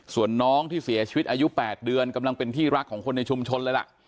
ส่วนน้องที่เสียชีวิตอายุ๘เดือนกำลังเป็นที่รักของคนในชุมชนเลยล่ะ